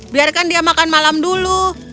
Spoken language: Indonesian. biarkan dia makan malam dulu